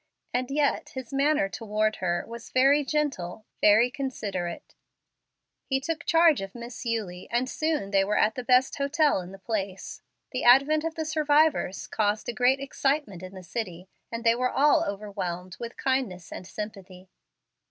And yet his manner toward her was very gentle, very considerate. He took charge of Miss Eulie, and soon they were at the best hotel in the place. The advent of the survivors caused great excitement in the city, and they were all overwhelmed with kindness and sympathy.